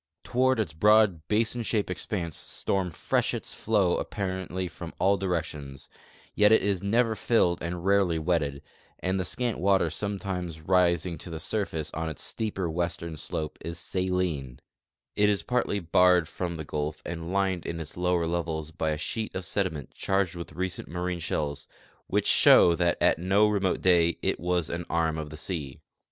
Toward its broad basin shape ex panse storm freshets flow apparently from all directions, yet it is never filled and rarely wetted, and the scant water sometimes rising to the surface on its steeper western slope is saline ; it is partly barred from the gulf and lined in its lower levels by a sheet of sediment charged with recent marine shells, which show that at no remote day it was an arm of the sea.